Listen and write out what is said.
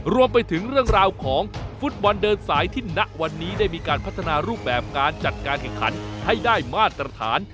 รวมไปถึงเรื่องราวของฟุตบอลเดินสายที่ณวันนี้ได้มีการพัฒนารูปแบบการจัดการแข่งขันให้ได้มาตรฐาน